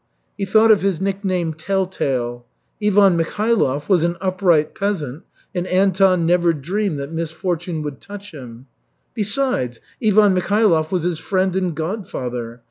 He thought of his nickname Telltale. Ivan Mikhailov was an upright peasant, and Anton never dreamed that misfortune would touch him. Besides, Ivan Mikhailov was his friend and godfather.